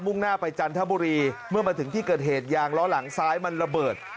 ่งหน้าไปจันทบุรีเมื่อมาถึงที่เกิดเหตุยางล้อหลังซ้ายมันระเบิด